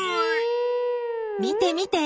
見て見て！